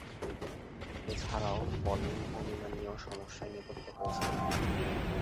এছাড়াও, বোলিং ভঙ্গীমা নিয়েও সমস্যায় নিপতিত হয়েছিলেন।